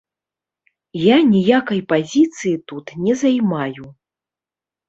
Я ніякай пазіцыі тут не займаю.